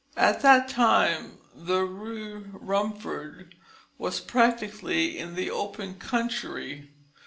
At that time the Rue Rumford was practically in the open country.